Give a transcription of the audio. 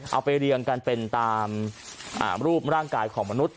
เอาไปเรียงกันเป็นตามรูปร่างกายของมนุษย